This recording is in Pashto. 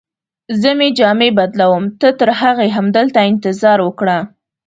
زه مې جامې بدلوم، ته ترهغې همدلته انتظار وکړه.